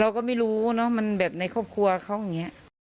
เราก็ไม่รู้เนอะมันแบบในครอบครัวเขาอย่างนี้